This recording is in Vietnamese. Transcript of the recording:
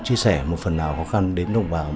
chia sẻ một phần nào khó khăn đến đồng bào